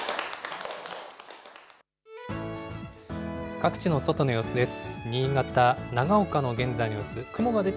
各地の外の様子です。